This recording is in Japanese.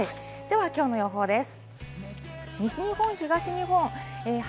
今日の予報です。